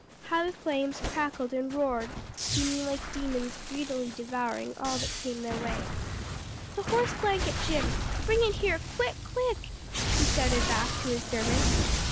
How the flames crackled and roared, seeming like demons greedily devouring all that came in their way. "That horse blanket, Jim! bring it here quick, quick!" he shouted back to his servant.